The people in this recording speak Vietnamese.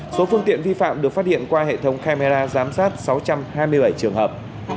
số phương tiện vi phạm được phát hiện qua hệ thống camera giám sát sáu trăm hai mươi bảy trường hợp